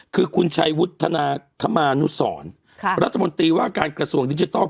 คือคุณชัยวุฒนาธมานุสรรัฐมนตรีว่าการกระทรวงดิจิทัล